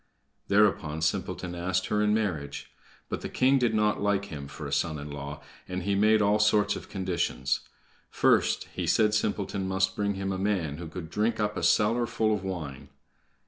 Thereupon Simpleton asked her in marriage. But the king did not like him for a son in law, and he made all sorts of conditions. First, he said Simpleton must bring him a man who could drink up a cellar full of wine.